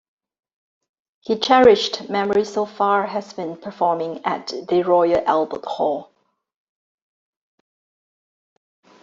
His cherished memory so far has been performing at The Royal Albert Hall.